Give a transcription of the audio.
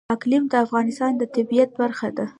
اقلیم د افغانستان د طبیعت برخه ده.